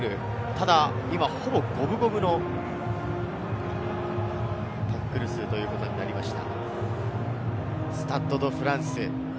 ただ今は、ほぼ五分五分のタックル数ということになりました。